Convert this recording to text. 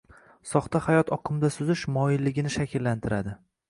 soxta hayot oqimida suzish moyilligini shakllantiradi.